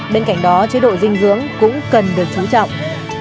bên cạnh đó chế độ dinh dưỡng cũng cần được chú trọng